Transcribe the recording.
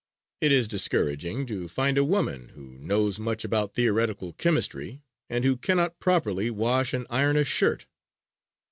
It is discouraging to find a woman who knows much about theoretical chemistry, and who cannot properly wash and iron a shirt.